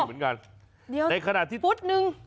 โอ้โหเดี๋ยวฟุตหนึ่ง